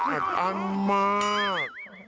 อัดอั้นมาก